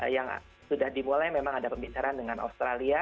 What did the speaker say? yang sudah dimulai memang ada pembicaraan dengan australia